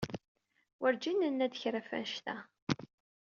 Werǧin nnan-d kra f annect-a.